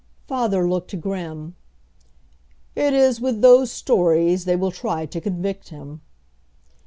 Father looked grim. "It is with those stories they will try to convict him."